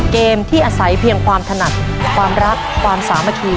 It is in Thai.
เกมที่อาศัยเพียงความถนัดความรักความสามัคคี